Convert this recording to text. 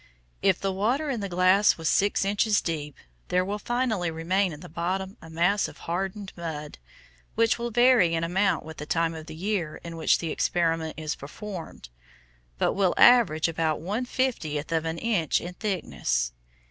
If the water in the glass was six inches deep, there will finally remain in the bottom a mass of hardened mud, which will vary in amount with the time of the year in which the experiment is performed, but will average about one fiftieth of an inch in thickness.